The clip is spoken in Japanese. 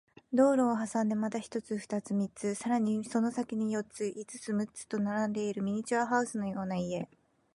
道路を挟んでまた一つ、二つ、三つ、さらにその先に四つ、五つ、六つと並んでいるミニチュアハウスのような家